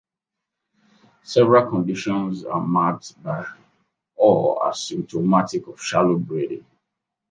Several conditions are marked by, or are symptomatic of, shallow breathing.